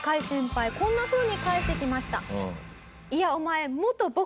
こんなふうに返してきました。